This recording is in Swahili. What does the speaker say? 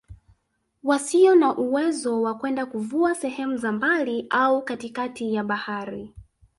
Wasio na uwezo wa kwenda kuvua sehemu za mbali au katikati ya bahari